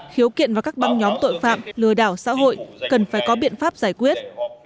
khiếu kiện và các băng nhóm tội phạm lừa đảo xã hội cần phải có biện pháp giải quyết